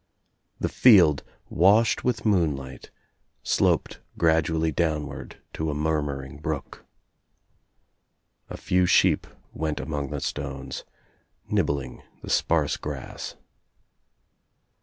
The field, washed with moonlight, sloped gradually downward to a murmur ing brook. A few sheep went among the stones nib bling the sparse grass.